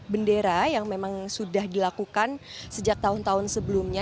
bendera yang memang sudah dilakukan sejak tahun tahun sebelumnya